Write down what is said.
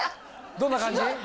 どんな感じ？